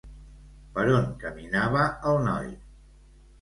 Per on caminava el noi?